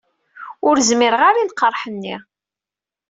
Ur zmireɣ arq i lqerḥ-nni.